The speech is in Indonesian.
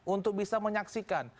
untuk bisa menyaksikan